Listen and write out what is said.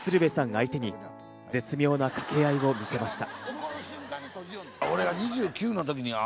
相手に、絶妙な掛け合いを見せました。